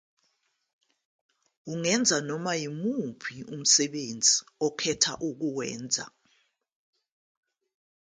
Ungenza noma yimuphi umsebenzi okhetha ukuwenza.